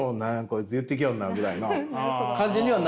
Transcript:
こいつ言ってきよんなぐらいの感じにはなりましたけど。